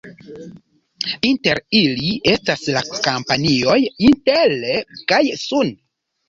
Inter ili estas la kompanioj Intel kaj Sun.